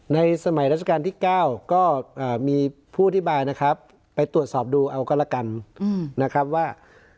ในสมัยราชการที่๙ก็มีผู้อธิบายนะครับไปตรวจสอบดูเอาก็แล้วกันนะครับว่า